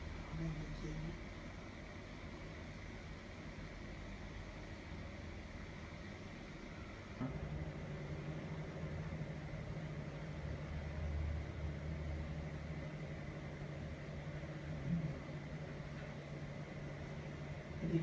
พี่นี่ไข่ดีไข่ยังยังยัง